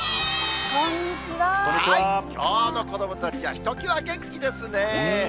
きょうの子どもたちは、ひときわ元気ですね。